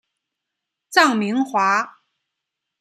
臧明华。